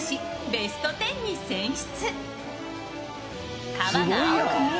ベスト１０」に選出。